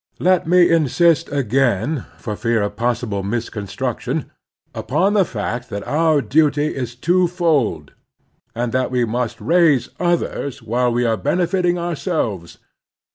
Let me insist again, for fear of possible miscon struction, upon the fact that our duty is twofold, and that we must raise others while we are benefit ing ourselves.